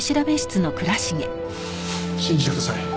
信じてください。